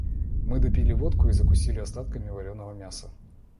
Мы допили водку и закусили остатками вареного мяса.